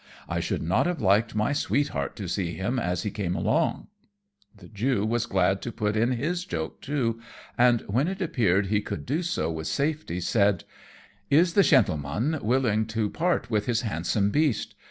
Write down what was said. I should not have liked my sweetheart to see him as he came along." The Jew was glad to put in his joke, too; and, when it appeared he could do so with safety, said: "Is the shentleman willing to part with his handsome beast?